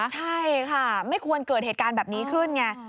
ใช่ค่ะไม่ควรเกิดเหตุการณ์แบบนี้ขึ้นไง